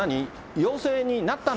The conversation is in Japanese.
陽性になったの？